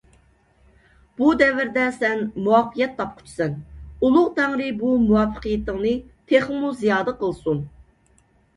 بۇ دەۋردە سەن مۇۋەپپەقىيەت تاپقۇچىسەن. ئۇلۇغ تەڭرى بۇ مۇۋەپپەقىيىتىڭنى تېخىمۇ زىيادە قىلسۇن.